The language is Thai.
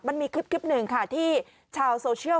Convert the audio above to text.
มันมีคลิปหนึ่งค่ะที่ชาวโซเชียล